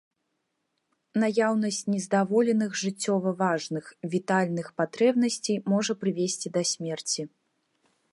Наяўнасць нездаволеных жыццёва важных, вітальных патрэбнасцей можа прывесці да смерці.